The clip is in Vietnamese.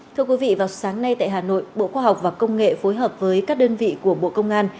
thưa quý vị vào sáng nay tại hà nội bộ khoa học và công nghệ phối hợp với các đơn vị của bộ công an